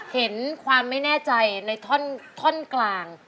เห็นความไม่แน่ใจในท่อนกลาง